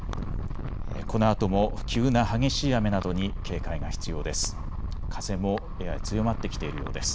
このあとも急な激しい雨などに警戒が必要です。